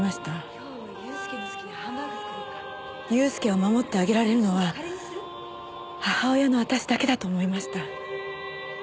祐介を守ってあげられるのは母親の私だけだと思いました。